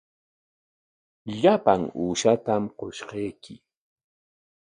Llapan uushatam qushqayki.